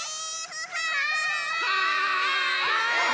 はい！